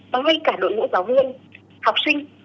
và ngay cả đội ngũ giáo viên học sinh